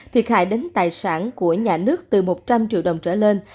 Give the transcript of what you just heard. thiệt hại đến tài sản của nhà nước từ một trăm linh triệu đồng trở lên